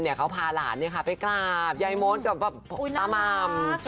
เดี๋ยวเขาพาหลานไปกราบยายโม้นกับต้าหม่าม